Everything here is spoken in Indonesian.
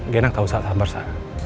gak enak tau saat sabar sa